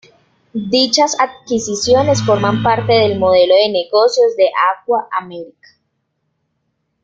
Dichas adquisiciones forman parte del modelo de negocios de Aqua America.